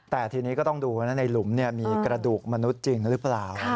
แต่ทีนี้ก็ต้องดูว่าในหลุมมีกระดูกมนุษย์จริงหรือเปล่า